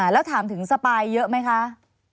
แล้วถามถึงสปายเยอะไหมคะ